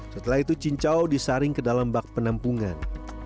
setelah itu cincau disaring ke dalam bak penampungan